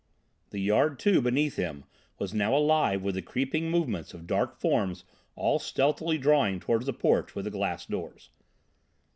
The yard, too, beneath him, was now alive with the creeping movements of dark forms all stealthily drawing towards the porch with the glass doors.